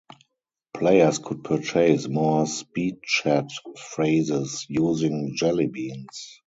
Players could purchase more SpeedChat phrases using jellybeans.